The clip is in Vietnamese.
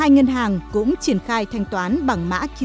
một mươi hai ngân hàng cũng triển khai thanh toán bằng mã qr